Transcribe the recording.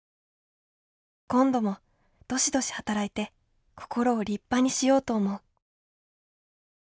今度もどしどし働いて心を立派にしようと思う」。